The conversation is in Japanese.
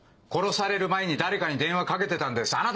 殺される前に誰かに電話かけてたんです。